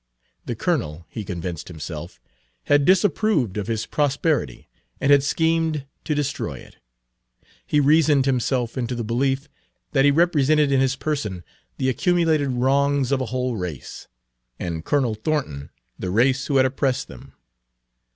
The Colonel, he convinced himself, had disapproved of his prosperity, and had schemed to destroy it. He reasoned himself into the belief that he represented in his person the accumulated wrongs of a whole race, and Colonel Thornton the race who had oppressed them.